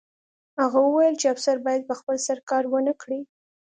هغه وویل چې افسر باید په خپل سر کار ونه کړي